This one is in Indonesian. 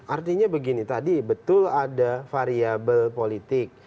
artinya begini tadi betul ada variabel politik